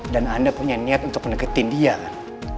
dan anda punya niat untuk mendekati dia kan